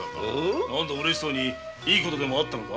うれしそうに何かいいことでもあったのか？